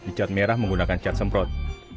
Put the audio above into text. dicat merah menggunakan cat semprot